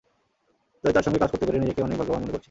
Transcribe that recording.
তাই তাঁর সঙ্গে কাজ করতে পেরে নিজেকে অনেক ভাগ্যবান মনে করছি।